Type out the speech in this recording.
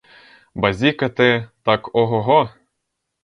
Базікати — так ого-го!